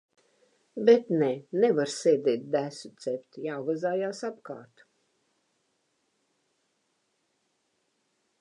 Bet nē, nevar sēdēt desu cept, jāvazājas apkārt.